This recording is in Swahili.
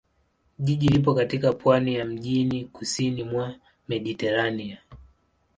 Jiji lipo katika pwani ya mjini kusini mwa Mediteranea.